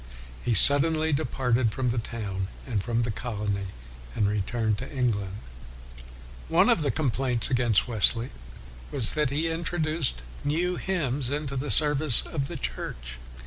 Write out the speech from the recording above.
He suddenly departed from the town, and from the colony, and returned to England. WESLEY 305 One of the complaints against Wesley was that he introduced new hymns into the service of the Church.